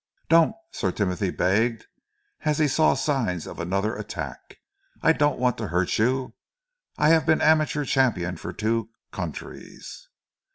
"Don't," Sir Timothy begged, as he saw signs of another attack. "I don't want to hurt you. I have been amateur champion of two countries.